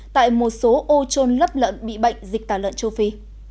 tại một số ô trôn lấp lợn bị bệnh dịch tả lợn châu phi